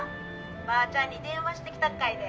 ☎ばーちゃんに電話してきたっかいね